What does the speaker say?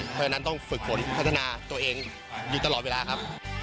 เพราะฉะนั้นต้องฝึกฝนพัฒนาตัวเองอยู่ตลอดเวลาครับ